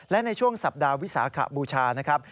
และในช่วงสัปดาห์วิสาขบูชานะครับ